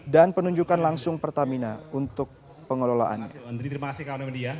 dan penunjukkan langsung pertamina untuk pengelolaannya